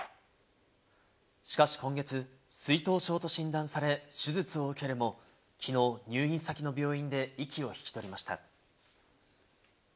しかし今月、水頭症と診断され、手術を受けるも、きのう、入院先の病院で息を引き取りました。